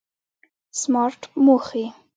سمارټ موخې